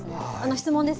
質問です。